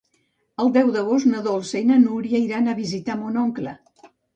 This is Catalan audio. El deu d'agost na Dolça i na Núria iran a visitar mon oncle.